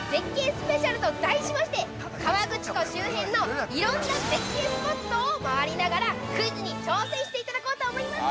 スペシャルと題しまして、河口湖周辺のいろんな絶景スポットを回りながら、クイズに挑戦していただこうと思いますぅ。